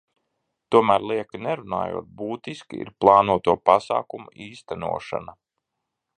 Tomēr, lieki nerunājot, būtiska ir plānoto pasākumu īstenošana.